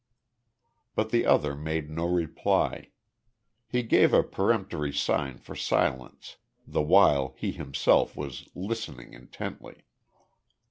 But the other made no reply. He gave a peremptory sign for silence, the while he himself was listening intently.